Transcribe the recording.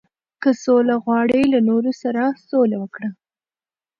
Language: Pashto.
• که سوله غواړې، له نورو سره سوله وکړه.